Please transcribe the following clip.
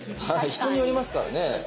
人によりますからね。